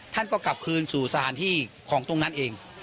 ท่านก็กลับคืนสู่สถานที่ของตรงนั้นเอง